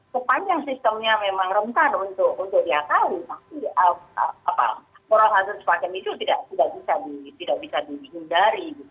sepanjang sistemnya memang rentan untuk diatali tapi moral hasil sebagian itu tidak bisa dihindari